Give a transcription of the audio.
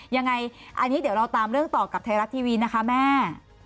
ยังไงอันนี้เดี๋ยวเราตามเรื่องต่อกับไทยรัฐทีวีนะคะแม่